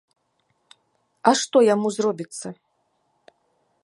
А што яму зробіцца?